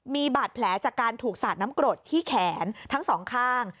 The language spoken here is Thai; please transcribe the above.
มีบาดแผลจากการถูกสาดน้ำกรดที่แขนทั้งสองข้าง